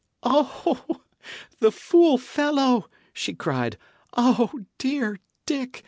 "Oh, the fool fellow!" she cried. "Oh, dear Dick!